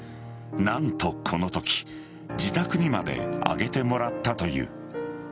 何とこのとき自宅にまで上げてもらったという。